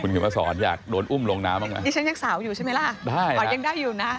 คุณคุณพระสอนอยากโดนอุ้มลงน้ำบ้างไหมนี่ฉันยังสาวอยู่ใช่ไหมล่ะได้ครับอ่อยังได้อยู่นะ